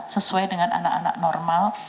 sesuai dengan anak anak normal